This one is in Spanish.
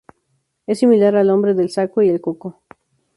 Es similar al "Hombre del saco" y al "coco".